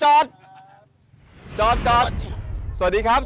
ชื่องนี้ชื่องนี้ชื่องนี้ชื่องนี้ชื่องนี้ชื่องนี้